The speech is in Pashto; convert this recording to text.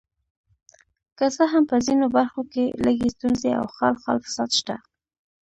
که څه هم په ځینو برخو کې لږې ستونزې او خال خال فساد شته.